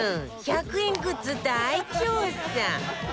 １００円グッズ大調査！